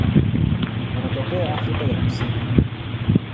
Wanatokea Afrika ya Kusini.